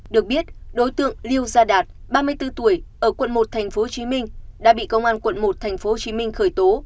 được biết đối tượng liêu gia đạt ba mươi bốn tuổi ở quận một tp hcm đã bị công an quận một tp hcm khởi tố